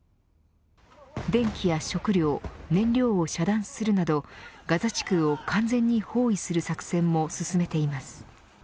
電気や食料燃料を遮断するなどガザ地区を完全に包囲する作戦も進めています。